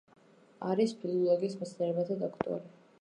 არის ფილოლოგიის მეცნიერებათა დოქტორი.